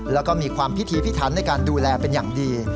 แล้วก็มีความพิธีพิถันในการดูแลเป็นอย่างดี